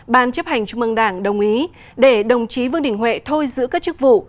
ban chấp hành trung mương đảng đồng ý để đồng chí vương đình huệ thôi giữ các chức vụ